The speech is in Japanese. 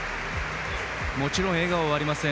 もちろん笑顔はありません。